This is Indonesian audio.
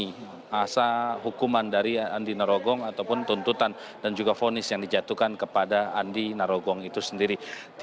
dari asa hukuman dari andi narogong ataupun tuntutan dan juga fonis yang dijatuhkan kepada andi narogong itu sendiri